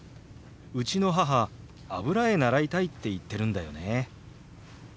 うちの母油絵習いたいって言ってるんだよね。